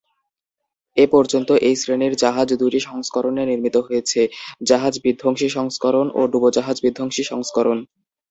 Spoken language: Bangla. এ পর্যন্ত এই শ্রেনির জাহাজ দুইটি সংস্করণে নির্মিত হয়েছে- জাহাজ-বিধ্বংসী সংস্করণ ও ডুবোজাহাজ-বিধ্বংসী সংস্করণ।